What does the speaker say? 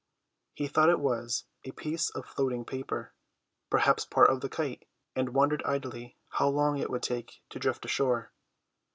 He thought it was a piece of floating paper, perhaps part of the kite, and wondered idly how long it would take to drift ashore.